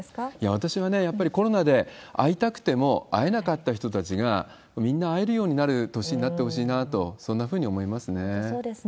私はやっぱりコロナで会いたくても会えなかった人たちが、みんな会えるようになる年になってほしいなと、そんなふうに思いそうですね。